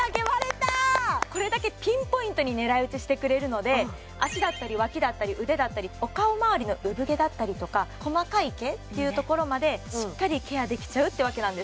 これだけピンポイントに狙い撃ちしてくれるので脚だったりワキだったり腕だったりお顔まわりのうぶ毛だったりとか細かい毛っていうところまでしっかりケアできちゃうってわけなんです